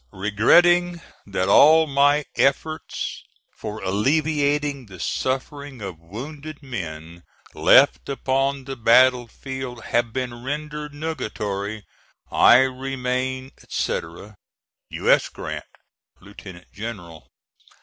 Regretting that all my efforts for alleviating the sufferings of wounded men left upon the battle field have been rendered nugatory, I remain, &c., U. S. GRANT, Lieutenant General.